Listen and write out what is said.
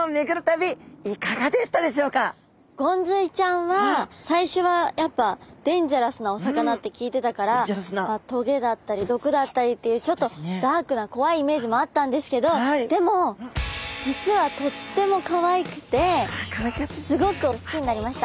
ゴンズイちゃんは最初はやっぱデンジャラスなお魚って聞いてたから棘だったり毒だったりっていうちょっとダークな怖いイメージもあったんですけどでも実はとってもかわいくてすごく好きになりました。